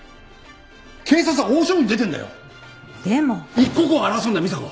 一刻を争うんだ美沙子！